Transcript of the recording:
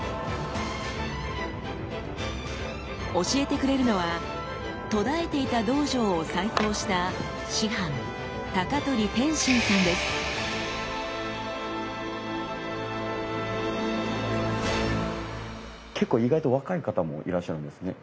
教えてくれるのは途絶えていた道場を再興した結構意外と若い方もいらっしゃるんですね。